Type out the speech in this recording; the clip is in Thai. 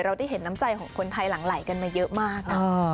ได้เห็นน้ำใจของคนไทยหลังไหลกันมาเยอะมากนะ